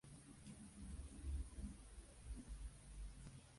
Sus restos descansan en el cementerio de Bella Vista, su pueblo natal.